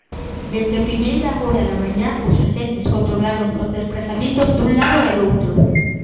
Dende primeira hora da mañá os axentes controlaron os desprazamentos dun lado e doutro.